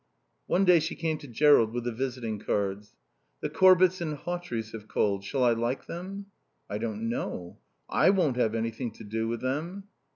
One day she came to Jerrold with the visiting cards. "The Corbetts and Hawtreys have called. Shall I like them?" "I don't know. I won't have anything to do with them."